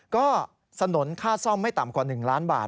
ก็สนุนค่าซ่อมไม่ต่ำกว่า๑ล้านบาท